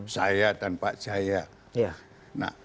saya dan pak jaya